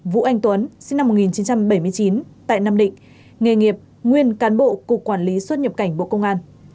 vũ anh tuấn sinh năm một nghìn chín trăm bảy mươi chín tại nam định nghề nghiệp nguyên cán bộ cục quản lý xuất nhập cảnh bộ công an